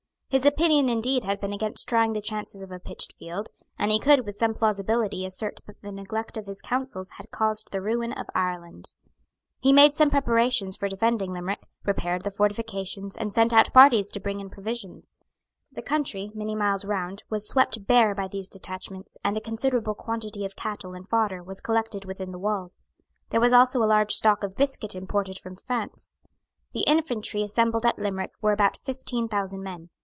His opinion indeed had been against trying the chances of a pitched field, and he could with some plausibility assert that the neglect of his counsels had caused the ruin of Ireland. He made some preparations for defending Limerick, repaired the fortifications, and sent out parties to bring in provisions. The country, many miles round, was swept bare by these detachments, and a considerable quantity of cattle and fodder was collected within the walls. There was also a large stock of biscuit imported from France. The infantry assembled at Limerick were about fifteen thousand men.